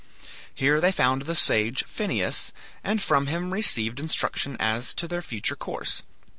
Here they found the sage Phineus, and from him received instruction as to their future course.